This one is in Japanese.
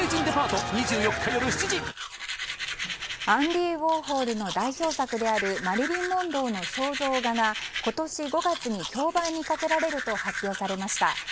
アンディ・ウォーホルの代表作であるマリリン・モンローの肖像画が今年５月に競売にかけられると発表されました。